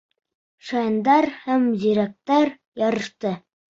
Шаяндар һәм зирәктәр ярышты